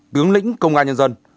tướng lĩnh công an nhân dân